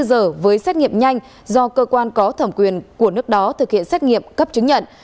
hai mươi giờ với xét nghiệm nhanh do cơ quan có thẩm quyền của nước đó thực hiện xét nghiệm cấp chứng nhận